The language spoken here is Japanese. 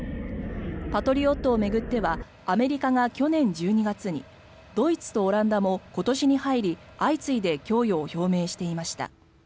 パトリオットを巡ってはアメリカが去年１２月にドイツとオランダも今年に入り相次いで供与を表明していました。